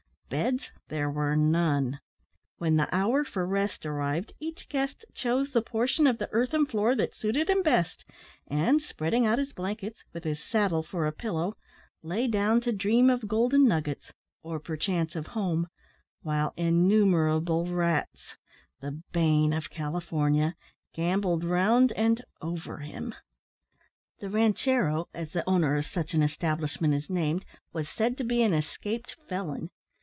Beds there were none. When the hour for rest arrived, each guest chose the portion of the earthen floor that suited him best, and, spreading out his blankets, with his saddle for a pillow, lay down to dream of golden nuggets, or, perchance, of home, while innumerable rats the bane of California gambolled round and over him. The ranchero, as the owner of such an establishment is named, was said to be an escaped felon.